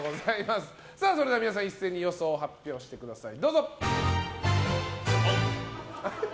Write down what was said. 皆さん一斉に予想を発表してください。